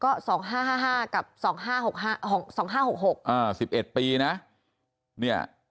ก็สองห้าห้ากับสองห้าหกห้าหกสองห้าหกหกอ่าสิบเอ็ดปีนะเนี่ย